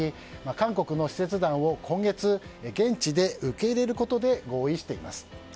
韓国の視察団を現地で受け入れることで合意しています。